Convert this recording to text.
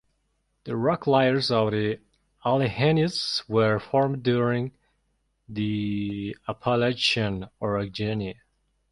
The rock layers of the Alleghenies were formed during the Appalachian orogeny.